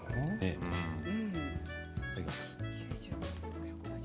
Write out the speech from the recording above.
いただきます。